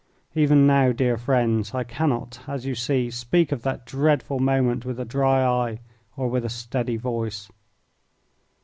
Even now, dear friends, I cannot, as you see, speak of that dreadful moment with a dry eye or with a steady voice.